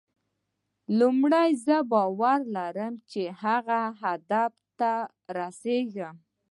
لومړی زه باور لرم چې هغه هدف ته رسېږم.